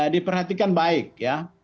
diperhatikan baik ya